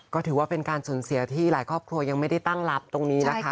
ก็ถือว่าเป็นการสูญเสียที่หลายครอบครัวยังไม่ได้ตั้งรับตรงนี้นะคะ